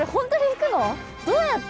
どうやって？